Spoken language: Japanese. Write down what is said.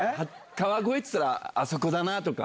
川越っていったら、あそこだなとか。